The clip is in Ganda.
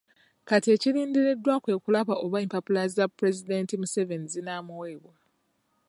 Kati ekirindiriddwa kwe kulaba oba empapula za Pulezidenti Museveni zinaamuweebwa.